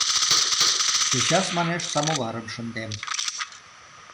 — Чечас, манеш, самоварым шындем.